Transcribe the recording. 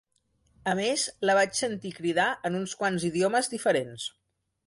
A més, la vaig sentir cridar en uns quants idiomes diferents!